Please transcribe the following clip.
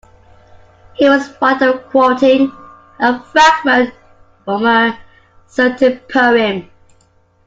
He was fond of quoting a fragment from a certain poem.